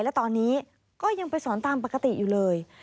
และตอนนี้ก็ยังไปสอนตามปกติอยู่เลย